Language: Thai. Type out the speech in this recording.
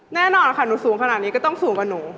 แน่นอนค่ะหนูสูงขนาดนี้ก็ต้องสูงกว่าหนู